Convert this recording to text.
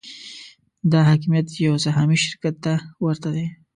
دا حاکمیت یو سهامي شرکت ته ورته دی.